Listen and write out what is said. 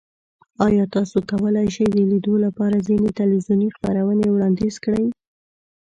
ایا تاسو کولی شئ د لیدو لپاره ځینې تلویزیوني خپرونې وړاندیز کړئ؟